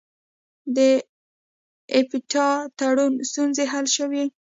د اپټا تړون ستونزې حل شوې؟